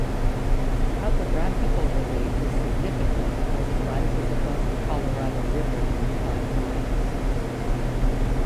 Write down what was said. Topographic relief is significant as it rises above the Colorado River in five miles.